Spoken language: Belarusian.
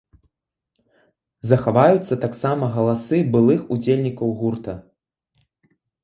Захаваюцца таксама галасы былых удзельнікаў гурта.